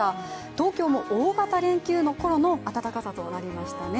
東京も大型連休のころの暖かさとなりましたね。